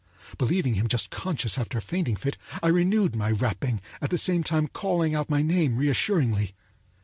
Believing him just conscious after a fainting fit, I renewed my rapping, at the same time calling out my name reassuringly.